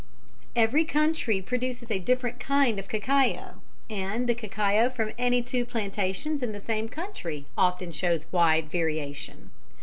_ Every country produces a different kind of cacao, and the cacao from any two plantations in the same country often shows wide variation.